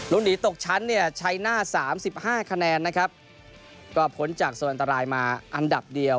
หนีตกชั้นเนี่ยชัยหน้าสามสิบห้าคะแนนนะครับก็พ้นจากโซนอันตรายมาอันดับเดียว